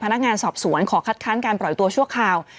พนักงานสอบสวนขอคัดค้านการปล่อยตัวชั่วคราว